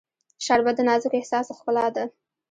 شربت د نازک احساس ښکلا ده